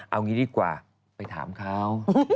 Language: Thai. เอางี้ดีกว่าไปถามเขา